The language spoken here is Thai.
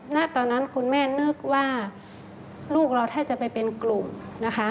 ณตอนนั้นคุณแม่นึกว่าลูกเราแทบจะไปเป็นกลุ่มนะคะ